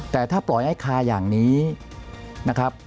แต่ถ้าปล่อยไอ้คาอย่างนี้นะครับ